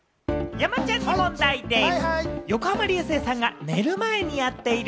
山ちゃんに問題でぃす！